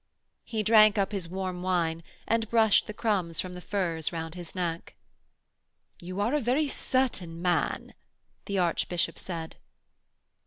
He drank up his warm wine and brushed the crumbs from the furs round his neck. 'You are a very certain man,' the Archbishop said.